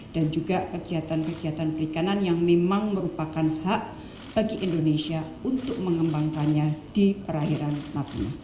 dan juga kegiatan kegiatan perikanan yang memang merupakan hak bagi indonesia untuk mengembangkannya di perakhiran natuna